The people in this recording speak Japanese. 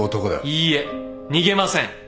いいえ逃げません。